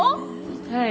はい。